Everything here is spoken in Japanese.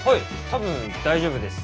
多分大丈夫です。